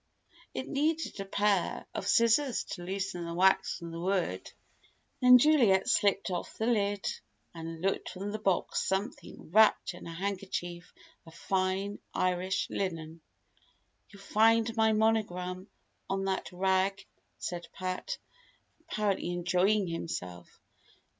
It needed a pair of scissors to loosen the wax from the wood. Then Juliet slipped off the lid, and took from the box something wrapped in a handkerchief of fine Irish linen. "You'll find my monogram on that rag," said Pat, apparently enjoying himself.